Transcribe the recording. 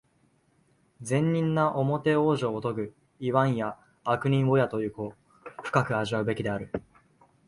善人なおもて往生をとぐ、いわんや悪人をやという語、深く味わうべきである。